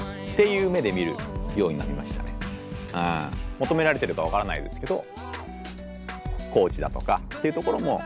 求められてるか分からないですけど。